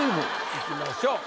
いきましょう。